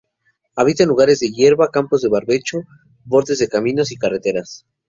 Habita en lugares de hierba, campos de barbecho, bordes de caminos y carreteras.